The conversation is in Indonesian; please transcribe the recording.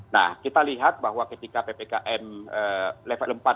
nah kita lihat bahwa ketika ppkm level empat